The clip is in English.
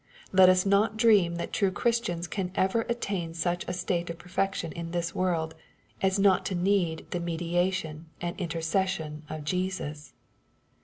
Let us not dream that true Christians can ever attain such a state of perfection is this world, as not to need the mediation and intercession of Jesus.